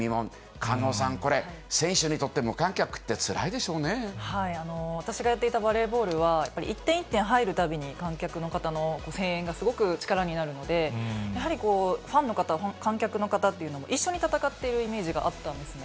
狩野さん、これ、選手にとって、私がやっていたバレーボールは、やっぱり一点一点入るたびに、観客の方の声援がすごく力になるので、やはりこう、ファンの方、観客の方というのは一緒に戦っているイメージがあったんですね。